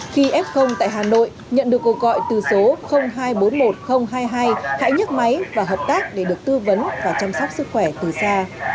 khi f tại hà nội nhận được cuộc gọi từ số hai trăm bốn mươi một nghìn hai mươi hai hãy nhức máy và hợp tác để được tư vấn và chăm sóc sức khỏe từ xa